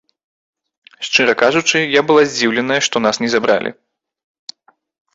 Шчыра кажучы, я была здзіўленая, што нас не забралі.